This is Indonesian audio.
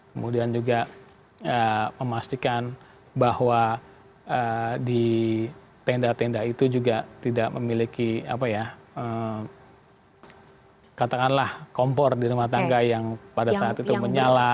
kemudian juga memastikan bahwa di tenda tenda itu juga tidak memiliki katakanlah kompor di rumah tangga yang pada saat itu menyala